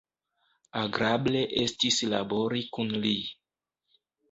Agrable estis labori kun li.